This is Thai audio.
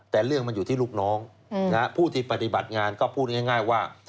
แต่เรื่องมันอยู่ที่ลูกน้องผู้ที่ปฏิบัติงานก็พูดง่ายว่า